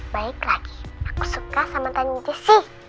baik lagi aku suka sama tanyan jesse